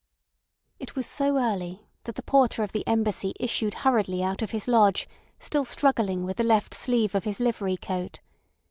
It was so early that the porter of the Embassy issued hurriedly out of his lodge still struggling with the left sleeve of his livery coat.